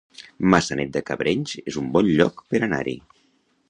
Maçanet de Cabrenys es un bon lloc per anar-hi